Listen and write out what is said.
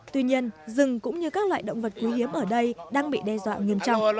tuy nhiên rừng cũng như các loại động vật quý hiếm ở đây đang bị đe dọa nghiêm trọng